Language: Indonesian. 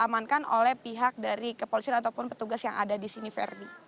diamankan oleh pihak dari kepolisian ataupun petugas yang ada di sini ferdi